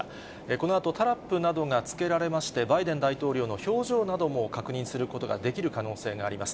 このあとタラップなどがつけられまして、バイデン大統領の表情なども確認することができる可能性があります。